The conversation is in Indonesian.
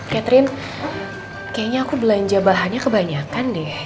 catherine kayaknya aku belanja bahannya kebanyakan deh